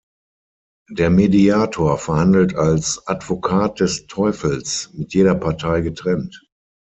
Der Mediator verhandelt als "Advokat des Teufels" mit jeder Partei getrennt.